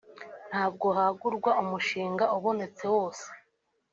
ntabwo hagurwa umushinga ubonetse wose